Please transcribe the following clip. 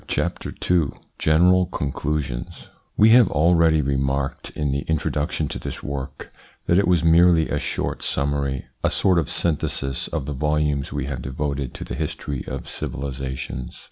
CHAPTER II GENERAL CONCLUSIONS \^ TE have already remarked, in the Introduction to this work, that it was merely a short summary, a sort of synthesis of the volumes we have devoted to the history of civilisations.